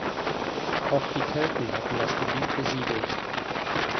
Auch die Kelten hatten das Gebiet besiedelt.